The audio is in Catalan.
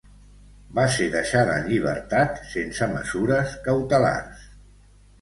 Va ser deixada en llibertat sense mesures cautelars.